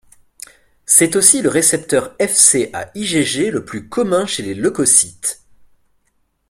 C'est aussi le récepteur Fc à IgG le plus commun chez les leucocytes.